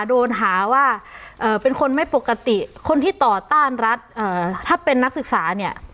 โดนหาว่าเป็นคนไม่ปกติคนที่ต่อต้านรัฐถ้าเป็นนักศึกษาเนี่ย